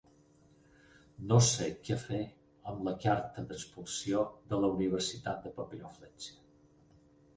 No sé què fer amb la carta d’expulsió de la universitat de papiroflèxia.